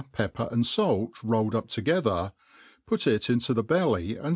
peppery ah^Talt rolled up together, put it into the belly, and.